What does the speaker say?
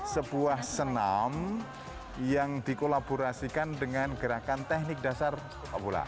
sebuah senam yang dikolaborasikan dengan gerakan teknik dasar sepak bola